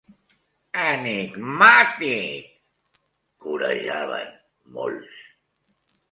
-Enigmàtic!- corejaven molts.